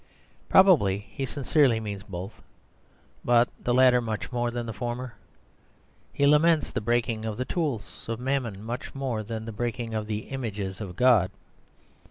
Probably he sincerely means both, but the latter much more than the former; he laments the breaking of the tools of Mammon much more than the breaking of the images of God.